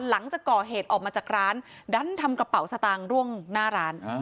หลังจากก่อเหตุออกมาจากร้านดันทำกระเป๋าสตางค์ร่วงหน้าร้าน